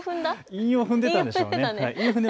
韻を踏んでたんでしょうね。